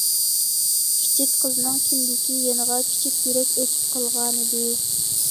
كىچىك قىزنىڭ كىندىكى يېنىغا« كىچىك يۈرەك» ئۆسۈپ قالغانىدى.